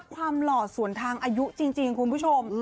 หล่อส่วนทางอายุจริงคุณผู้ชม